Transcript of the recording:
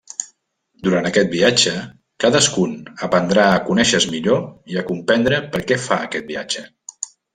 Durant aquest viatge, cadascun aprendrà a conèixer-se millor i a comprendre perquè fa aquest viatge.